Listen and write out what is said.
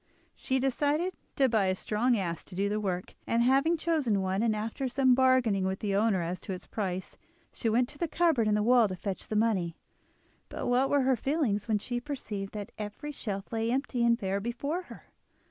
She decided to buy a strong ass to do the work, and having chosen one, and after some bargaining with the owner as to its price, she went to the cupboard in the wall to fetch the money. But what were her feelings when she perceived that every shelf lay empty and bare before her!